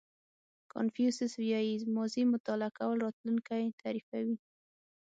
کانفیوسیس وایي ماضي مطالعه کول راتلونکی تعریفوي.